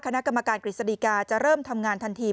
คณะกรรมการกฤษฎีกาจะเริ่มทำงานทันที